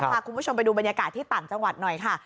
พาคุณผู้ชมไปดูบรรยากาศที่ต่างจังหวัดหน่อยค่ะ